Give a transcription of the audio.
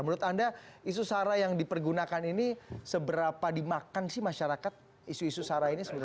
menurut anda isu sara yang dipergunakan ini seberapa dimakan sih masyarakat isu isu sara ini sebenarnya